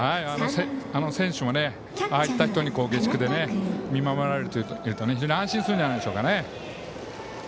選手もああいった人に下宿で見守られていると非常に安心するんじゃないでしょうか。